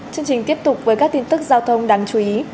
chương trình tiếp tục với các tin tức giao thông đáng chú ý